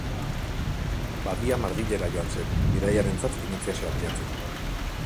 Badia Madrilera joan zen, bidaiarentzat finantziazioa bilatzeko.